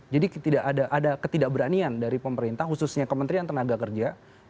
jadi tidak ada ketidakberanian dari pemerintah khususnya kementerian tenaga kerja